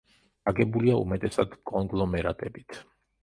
აგებულია უმეტესად კონგლომერატებით.